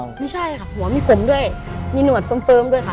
ไม่ใช่ค่ะหัวมีผมด้วยมีหนวดเฟิร์มด้วยค่ะ